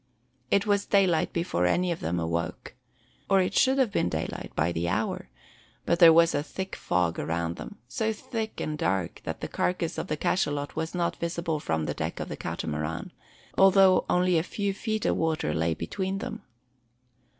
It was daylight before any of them awoke, or it should have been daylight, by the hour: but there was a thick fog around them, so thick and dark that the carcass of the cachalot was not visible from the deck of the Catamaran, although only a few feet of water lay between them.